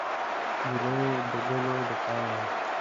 نجلۍ د ګل د پاڼو